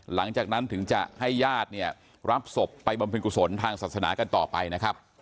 หลังจากนั้นถึงจะให้ญาติเนี่ยรับศพไปบำเพ็ญกุศลทางศาสนากันต่อไปนะครับ